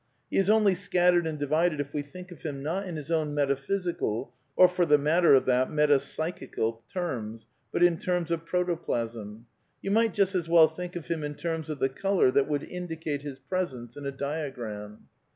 He is only scattered and divided if we think of him, not in his own metaphysical (or for the matter of that metapsychical) terms, but in terms of protoplasm. You might just as well think of him in terms of the colour that would indicate his presence in a diagram.